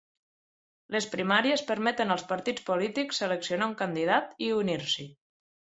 Les primàries permeten als partits polítics seleccionar un candidat i unir-s'hi.